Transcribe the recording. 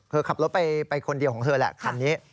ขับรถไปคนเดียวของเธอแหละคันนี้